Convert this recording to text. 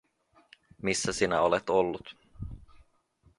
Missä sinä olet ollut?